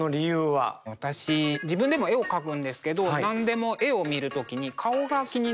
私自分でも絵を描くんですけど何でも絵を見る時に顔が気になるんですね。